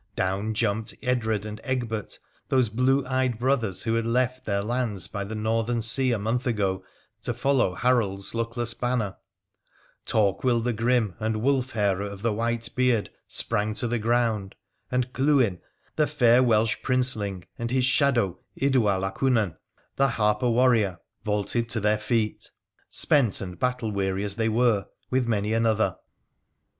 Down jumped Edred ar Egbert, those blue eyed brothers who had left their lands 1 the northern sea a month ago to follow Harold's luckle banner ; Torquil the grim, and Wulfhere of tbe white bear sprang to the ground : and Clywin the fair Welsh princelin and his shadow, Idwal ap Cynan, the harper warrior, vaulti to their feet — spent and battle Weary as they were, with mai another.